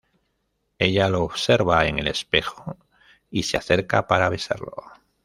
Ella lo observa en el espejo y se acerca para besarlo.